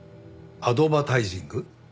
アドバタイジング？